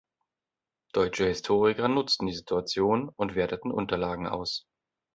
Deutsche Historiker nutzten die Situation und werteten Unterlagen aus.